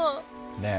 ねえ。